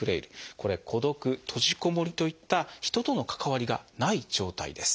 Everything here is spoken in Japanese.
これ孤独・閉じこもりといった人との関わりがない状態です。